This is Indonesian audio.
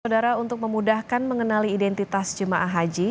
saudara untuk memudahkan mengenali identitas jemaah haji